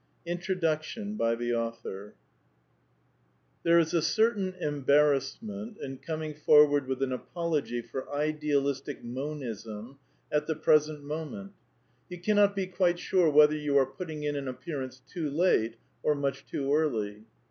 M. INTRODUCTION • Thebe is a certain embarrassment in coming forward with an Apology for Idealistic Monism at the present moment. You cannot be quite sure whether you are putting in an appearance too late or much too early.